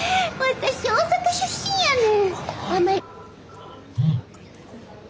私大阪出身やねん。